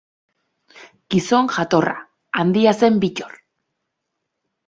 Gizon jatorra, handia zen Bittor.